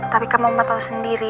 tapi kamu emang tau sendiri